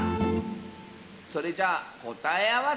それじゃあこたえあわせ！